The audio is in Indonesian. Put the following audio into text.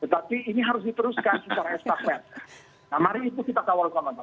tapi ini harus diteruskan secara eksternal